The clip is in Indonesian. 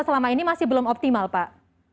selama ini masih belum optimal pak